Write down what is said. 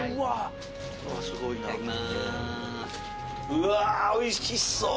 うわおいしそう。